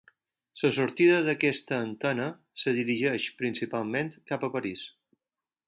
La sortida d'aquesta antena es dirigeix principalment cap a París.